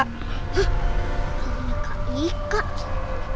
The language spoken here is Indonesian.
hah kalau punya kak ika